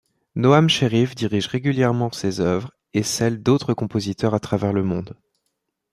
Noam Sheriff dirige régulièrement ses œuvres et celles d'autres compositeurs à travers le monde.